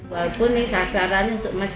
walaupun ini sasaran untuk masyarakat